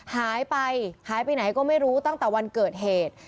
หายไปหายไปไหนก็ไม่รู้ตั้งแต่วันเกิดเหตุ